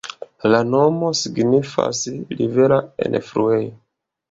La nomo signifas "Rivera enfluejo".